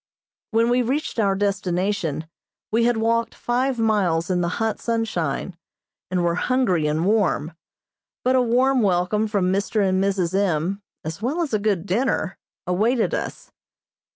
When we reached our destination we had walked five miles in the hot sunshine, and were hungry and warm, but a warm welcome from Mr. and Mrs. M., as well as a good dinner, awaited us.